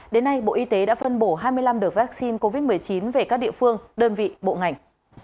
đến nay bộ y tế đã phân bổ hai mươi năm đợt vaccine covid một mươi chín về các địa phương đơn vị bộ ngành